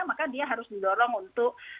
maka dia harus didorong untuk